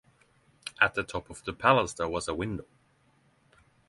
At the top of the palace there was a window.